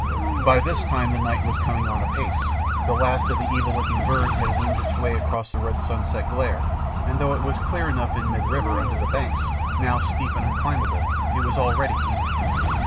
By this time the night was coming on apace, the last of the evil looking birds had winged its way across the red sunset glare, and though it was clear enough in mid river under the banks, now steep and unclimbable, it was already evening.